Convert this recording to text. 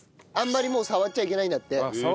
あんまりもう触っちゃいけないんだって。